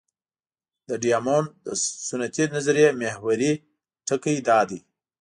د ډیامونډ د سنتي نظریې محوري ټکی دا دی.